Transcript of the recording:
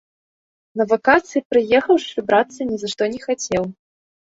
На вакацыі прыехаўшы, брацца ні за што не хацеў.